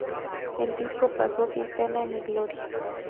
El disco pasó sin pena ni gloria.